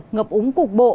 ngập úng cục bộ